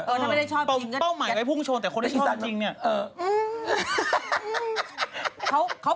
เออถ้าไม่ได้ชอบจริงก็แกะ